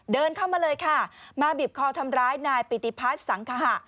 เดินเข้ามาเลยค่ะมาบีบคอทำร้ายนายปิติพัฒน์สังขหะ